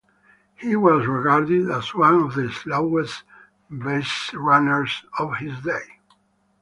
He was regarded as one of the slowest baserunners of his day.